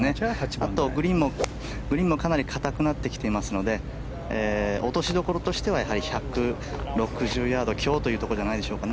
あとグリーンもかなり硬くなってきていますので落としどころとしては１６０ヤード強というところじゃないでしょうかね。